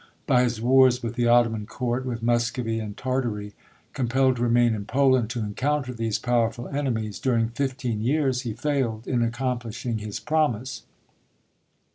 By his wars with the Ottoman court, with Muscovy, and Tartary, compelled to remain in Poland to encounter these powerful enemies, during fifteen years he failed in accomplishing his promise.